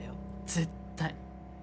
絶対。